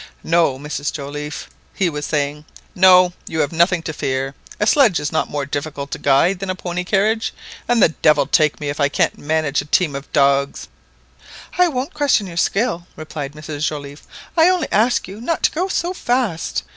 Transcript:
"No, Mrs Joliffe," he was saying, "no, you have nothing to fear. A sledge is not more difficult to guide than a pony carriage, and the devil take me if I can't manage a team of dogs !" "I don't question your skill," replied Mrs Joliffe; "I only ask you not to go so fast.